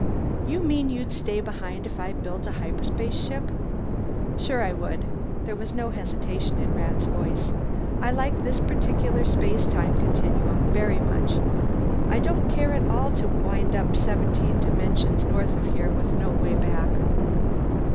"You mean you'd stay behind if I built a hyperspace ship?" "Sure I would." There was no hesitation in Rat's voice. "I like this particular space time continuum very much. I don't care at all to wind up seventeen dimensions north of here with no way back."